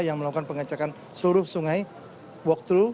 yang melakukan pengecekan seluruh sungai walkthrough